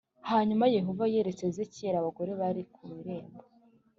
Hanyuma Yehova yeretse Ezekiyeli abagore bari ku irembo